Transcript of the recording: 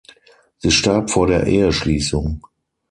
Sie starb vor der Eheschließung.